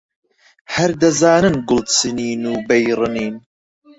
هەر دەزانن گوڵ چنین و بەی ڕنین